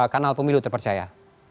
kanal pemilu terpercaya